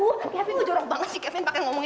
aduh aduh kevin lo jorok banget sih kevin pake ngomong